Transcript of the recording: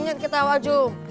ingat kita wajung